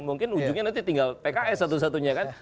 mungkin ujungnya nanti tinggal pks satu satunya kan